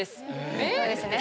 そうですね。